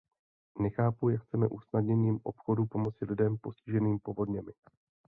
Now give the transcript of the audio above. Nechápu, jak chceme usnadněním obchodu pomoci lidem postiženým povodněmi.